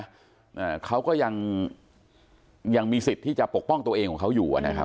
อ่าเขาก็ยังยังมีสิทธิ์ที่จะปกป้องตัวเองของเขาอยู่อ่ะนะครับ